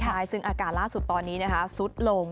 ใช่ซึ่งอาการล่าสุดตอนนี้ซุดลง